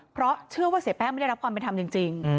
เพราะเชื่อว่าเสียแป้งไม่ได้รับความเป็นธรรมจริง